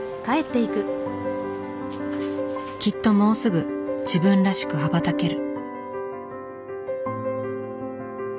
きっともうすぐ自分らしく羽ばたける。